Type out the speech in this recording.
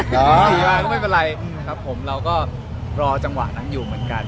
ขี่มาก็ไม่เป็นไรครับผมเราก็รอจังหวะนั้นอยู่เหมือนกัน